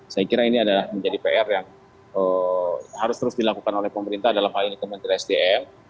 saya kira ini adalah menjadi pr yang harus terus dilakukan oleh pemerintah dalam hal ini kementerian sdm